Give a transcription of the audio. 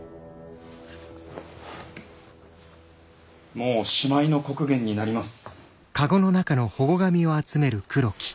もうしまいの刻限になります。